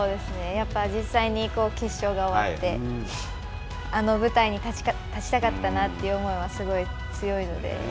やっぱ実際に決勝が終わって、あの舞台に立ちたかったなという思いは、すごい強いので。